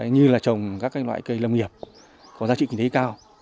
như là trồng các loại cây lâm nghiệp có giá trị kinh tế cao